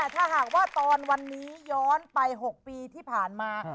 ถ้าหากว่าตอนวันนี้ย้อนไป๖ปีที่ผ่านมา